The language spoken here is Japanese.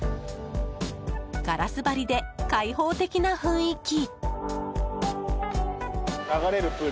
ガラス張りで開放的な雰囲気。